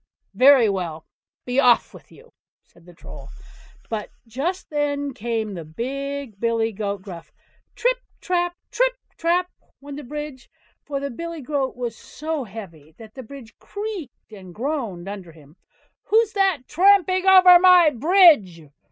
"Very well! be off with you", said the Troll. But just then up came the big billy goat Gruff. "TRIP, TRAP! TRIP, TRAP! TRIP, TRAP!" went the bridge, for the billy goat was so heavy that the bridge creaked and groaned under him. "WHO'S THAT tramping over my bridge?"